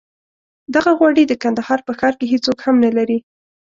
دغه غوړي د کندهار په ښار کې هېڅوک هم نه لري.